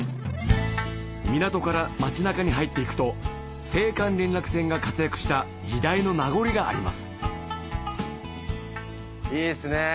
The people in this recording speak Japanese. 港から町中に入っていくと青函連絡船が活躍した時代の名残がありますいいっすね